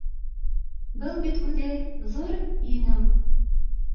Был бит үҙе ҙур еңеү